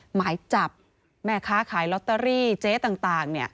หมายจับแม่ค้าขายลอตเตอรี่เจ๊ต่าง